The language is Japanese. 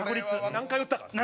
何回、打ったかですね。